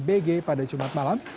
mbg pada jumat malam